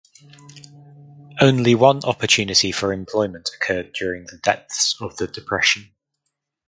Only one opportunity for employment occurred during the depths of the depression.